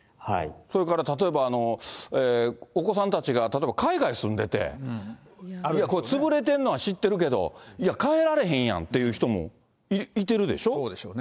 それから例えばお子さんたちが、例えば海外に住んでて、潰れてるのは知ってるけど、帰られへんやんっていう人もいてるでしょ。